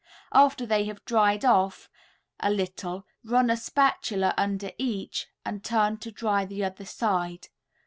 After they have dried off a little run a spatula under each and turn to dry the other side.